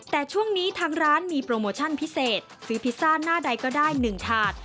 แต่ช่วงนี้ทางร้านมีโปรโมชั่นพิเศษซื้อพิซซ่าหน้าใดก็ได้๑ถาด